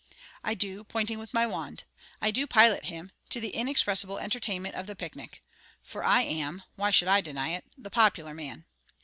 I do, pointing with my wand. I do pilot him, to the inexpressible entertainment of the picnic; for I am (why should I deny it?) the popular man.